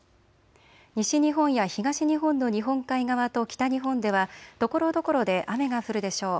西日本や東日本の日本海側と北日本ではところどころで雨が降るでしょう。